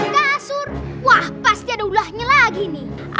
kasur wah pasti ada ulahnya lagi nih